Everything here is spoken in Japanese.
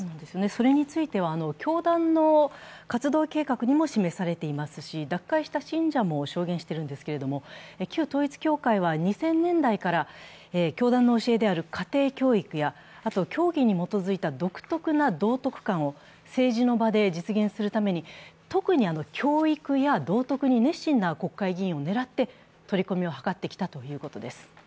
それについては、教団の活動計画にも示されていますし、脱会した信者も証言しているんですけれども、旧統一教会は２０００年代から教団の教えである、家庭教育や、教義に基づいた独特な道徳観を政治の場で実現するために特に教育や道徳に熱心な国会議員を狙って取り込みを図ってきたということです。